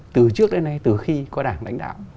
từ trước đến nay từ khi có đảng lãnh đạo